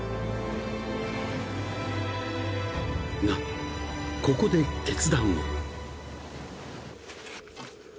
［がここで決断を］